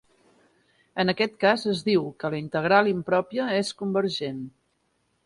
En aquest cas es diu que la integral impròpia és convergent.